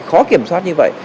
khó kiểm soát như vậy